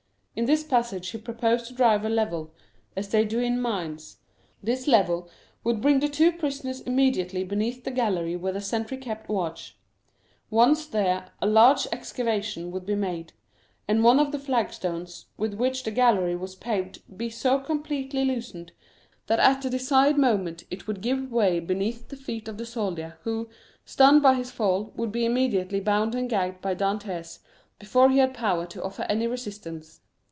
In this passage he proposed to drive a level as they do in mines; this level would bring the two prisoners immediately beneath the gallery where the sentry kept watch; once there, a large excavation would be made, and one of the flag stones with which the gallery was paved be so completely loosened that at the desired moment it would give way beneath the feet of the soldier, who, stunned by his fall, would be immediately bound and gagged by Dantès before he had power to offer any resistance.